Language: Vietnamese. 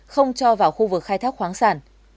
không cho vào khu vực khai thác khoáng sản